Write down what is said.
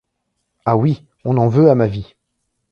Ah oui : on en veut à ma vie.